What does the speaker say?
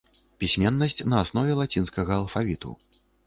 Пісьменнасць на аснове лацінскага алфавіту.